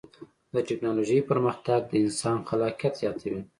د ټکنالوجۍ پرمختګ د انسان خلاقیت زیاتوي.